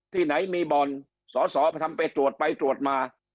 ที่ไหนมีบ่อนสอสอไปทำไปตรวจไปตรวจมา